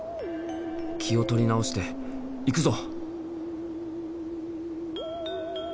気を取り直して行くぞ！